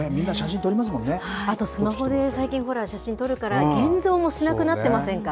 あと、スマホで最近、ほら、写真撮るから、現像もしなくなってませんか？